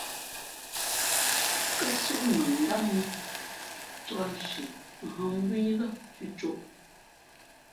Kάsʉ̄ʼ mαngát mōō, cāk nshi hᾱ mbū î lά cʉ̌côʼ.